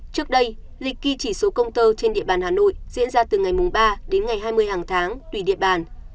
trước đây lịch ghi chỉ số công tơ trên địa bàn hà nội diễn ra từ ngày ba đến ngày hai mươi hàng tháng tùy địa bàn